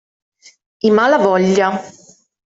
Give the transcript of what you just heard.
I Malavoglia.